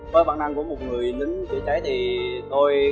với bản năng của một người lính chữa cháy thì tôi